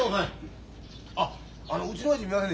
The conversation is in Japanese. あっあのうちの親父見ませんでした？